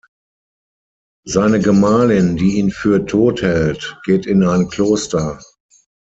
Seine Gemahlin, die ihn für todt hält, geht in ein Kloster.